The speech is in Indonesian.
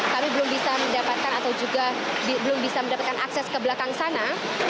kami belum bisa mendapatkan atau juga belum bisa mendapatkan akses ke belakang sana